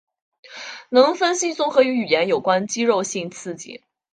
能分析综合与语言有关肌肉性刺激。